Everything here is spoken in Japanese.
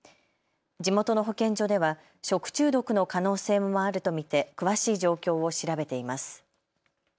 地元の保健所では食中毒の可能性もあると見て詳しい状況を調べています。